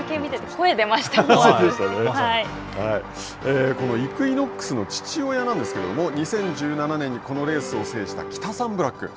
思わこのイクイノックスの父親なんですけれども２０１７年にこのレースを制したキタサンブラック。